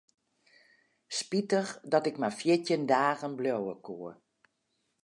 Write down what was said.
Spitich dat ik mar fjirtjin dagen bliuwe koe.